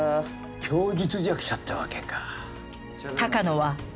供述弱者ってわけか。